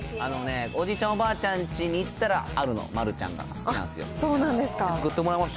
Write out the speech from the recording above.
おじいちゃん、おばあちゃんのうちに行ったらあるの、マルちゃんが、好きなんでそうなんですか。